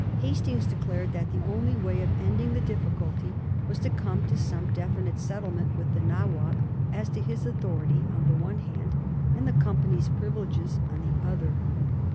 Hastings declared that the only way of ending the difficulty was to come to some definite settlement with the Nawab as to his authority on the one hand and the Company's privileges on the other.